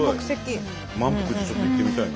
萬福寺ちょっと行ってみたいな。